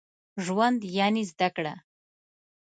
ژوند يعني زده کړه.